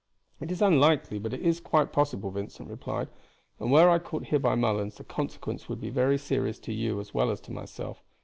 "It is unlikely, but it is quite possible," Vincent replied, "and were I caught here by Mullens, the consequence would be very serious to you as well as to myself.